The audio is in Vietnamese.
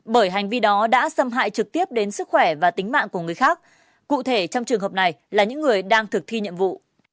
bởi hành vi đó đã xâm hại trực tiếp đến sức khỏe và tính mạng của người khác cụ thể trong trường hợp này là những người đang thực thi nhiệm vụ